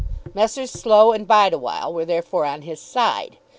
Messrs. Slow and Bideawhile were therefore on his side.